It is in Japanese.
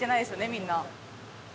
みんな。